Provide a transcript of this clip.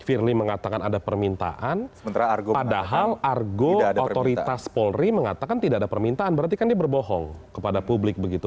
firly mengatakan ada permintaan padahal argo otoritas polri mengatakan tidak ada permintaan berarti kan dia berbohong kepada publik begitu